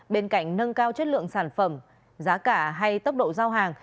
bên cạnh nâng cao chất lượng sản phẩm giá cả hay tốc độ giao hàng